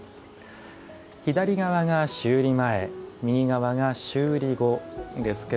左側が修理前、右側が修理後。